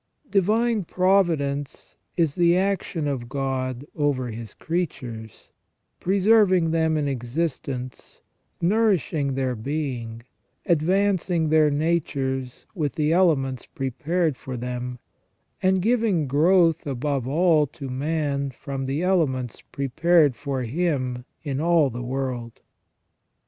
Divine Providence is the action of God over His creatures, preserving them in existence, nourishing their being, advancing their natures with the elements prepared for them; and giving growth above all to man from the elements prepared for him in all the world.